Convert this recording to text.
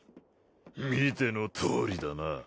見てのとおりだな